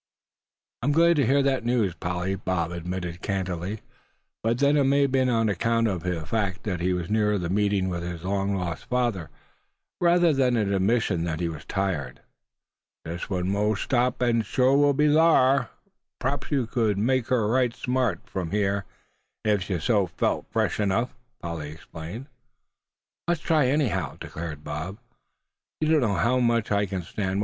"I'm glad to hear that news, Polly," Bob admitted candidly; but then it may have been on account of the fact that he was nearer the meeting with his long lost father, rather than an admission that he was tired. "Jest wun moah stop, an' shore we'll be thar; p'raps we cud make her right smart from hyah, ef so be yuh felt fresh enuff," Polly explained. "Let's try, anyhow," declared Bob; "you don't know how much I can stand.